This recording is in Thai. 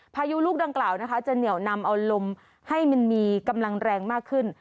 พายุลูกดังกล่าวนะคะจะเหนียวนำเอาลมให้มันมีกำลังแรงมากขึ้น